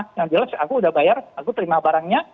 jelas jelas aku sudah bayar aku terima barangnya